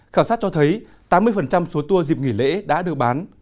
khảo sát cho thấy tám mươi số tour dịp nghỉ lễ đã được bán